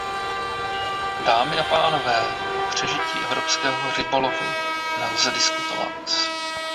Dámy a pánové, o přežití evropského rybolovu nelze diskutovat.